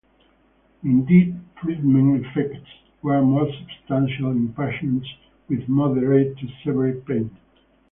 Indeed, treatment effects were more substantial in patients with moderate-to-severe pain.